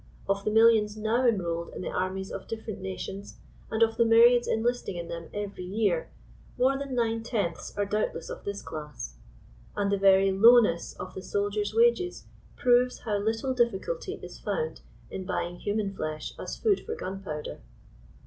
Of the millions now enrolled in the armies of different nations, and of the myriads enlisting in them eYeiy year, more than nine tenths are doubtless of this class. And the very lowness of the soldier's wages proves how little difBculty is found in buying human flesh as food for gunpowder.